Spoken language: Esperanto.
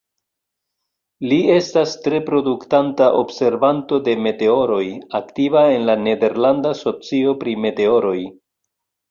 Li estas tre produktanta observanto de meteoroj, aktiva en la Nederlanda Socio pri Meteoroj.